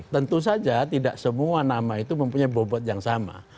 tentu saja tidak semua nama itu mempunyai bobot yang sama